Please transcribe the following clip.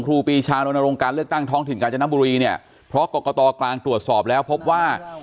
ครูปีชาโรนโรงการเลือกตั้งท้องถิ่นกาญจนบุรีเนี่ยเพราะกรกตกลางตรวจสอบแล้วพบว่า